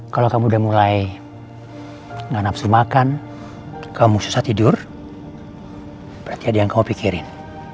kalau kamu udah mulai gak nafsu makan kamu susah tidur berarti ada yang kamu pikirin